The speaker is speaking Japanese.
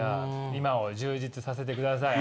今を充実させてください。